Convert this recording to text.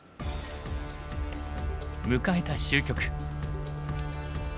迎えた終局。